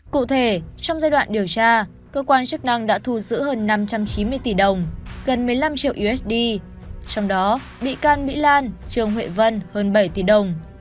cụ thể trong giai đoạn điều tra cơ quan chức năng đã thu giữ hơn năm trăm chín mươi tỷ đồng gần một mươi năm triệu usd trong đó bị can mỹ lan trương huệ vân hơn bảy tỷ đồng